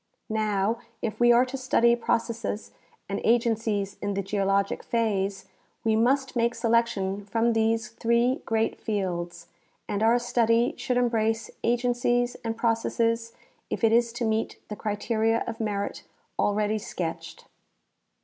Now, if we are to study processes and agencies in the geologic phase, we must make selection from these three great fields, and our study should embrace agencies and processes if it is to meet the criteria of merit alread}^ sketched.